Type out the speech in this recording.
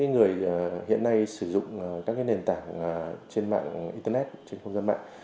người hiện nay sử dụng các nền tảng trên mạng internet trên công dân mạng